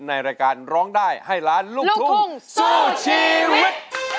ในรายการร้องได้ให้ล้านลูกทุ่งสู้ชีวิต